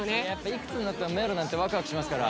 いくつになっても迷路なんてワクワクしますから。